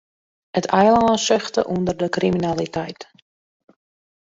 It eilân suchte ûnder de kriminaliteit.